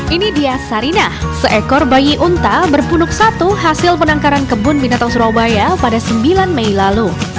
ini dia sarinah seekor bayi unta berpunuk satu hasil penangkaran kebun binatang surabaya pada sembilan mei lalu